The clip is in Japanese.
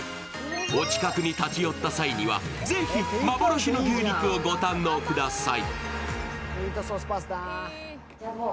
お近くに立ち寄った際には、ぜひ幻の牛肉をご堪能ください。